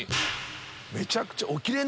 めちゃくちゃ。